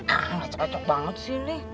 ah macok macok banget sih ini